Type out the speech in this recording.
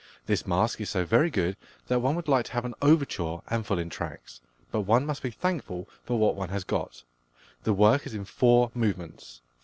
This Masque is so very good that one would like to have an overture and full entr'actes, but one must be thankful for what one has got. The work is in four movements.